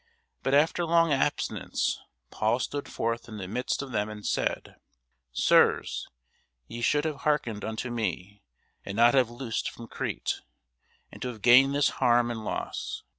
But after long abstinence Paul stood forth in the midst of them, and said, Sirs, ye should have hearkened unto me, and not have loosed from Crete, and to have gained this harm and loss.